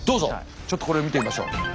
ちょっとこれ見てみましょう。